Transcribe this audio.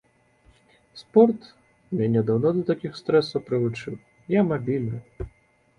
Спорт мяне даўно да такіх стрэсаў прывучыў, я мабільны.